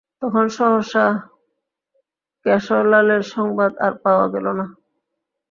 তখন সহসা কেশরলালের সংবাদ আর পাওয়া গেল না।